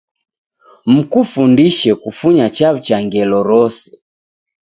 Mkufundishe kufunya chaw'ucha ngelo rose